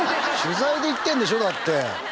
取材で行ってんでしょだって。